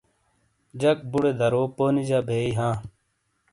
جک بُوڑے درو پونیجا بیئی ہاں۔